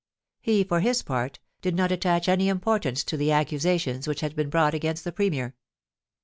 He, for his part, did not attach any importance to the accusations which had been brought against the Premier.